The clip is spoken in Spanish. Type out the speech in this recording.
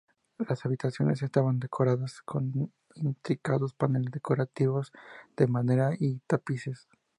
Las habitaciones estaban decoradas con intrincados paneles decorativos de madera y tapices.